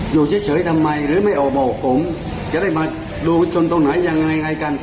อยู่เฉยทำไมหรือไม่ออกมาบอกผมจะได้มาดูชนตรงไหนยังไงกัน